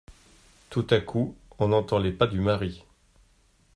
Tout à coup on entend les pas du mari.